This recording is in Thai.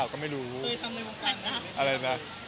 อันนี้ไม่รู้เหมือนกัน